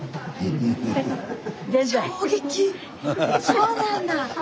そうなんだ。